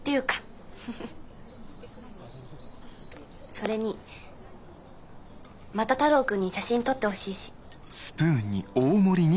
それにまた太郎君に写真撮ってほしいし。